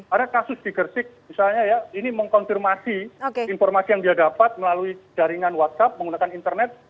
ada kasus di gersik misalnya ya ini mengkonfirmasi informasi yang dia dapat melalui jaringan whatsapp menggunakan internet